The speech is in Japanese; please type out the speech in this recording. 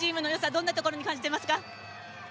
どんなところに感じていますか？